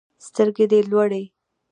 سترګي دي لوړی